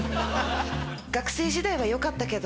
学生時代はよかったけど